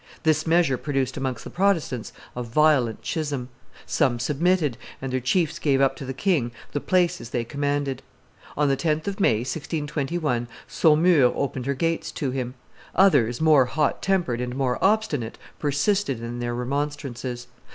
This measure produced amongst the Protestants a violent schism. Some submitted, and their chiefs gave up to the king the places they commanded. On the 10th of May, 1621, Saumur opened her gates to him. Others, more hot tempered and more obstinate, persisted in their remonstrances.